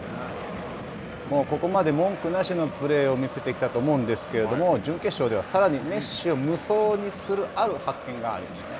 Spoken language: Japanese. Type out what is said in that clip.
ここまで文句なしのプレーを見せてきたと思うんですけれども準決勝では、さらにメッシを無双にすある発見？